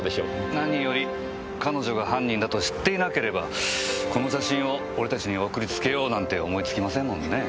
何より彼女が犯人だと知っていなければこの写真を俺たちに送りつけようなんて思いつきませんもんね。